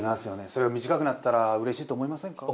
それが短くなったらうれしいと思いませんか？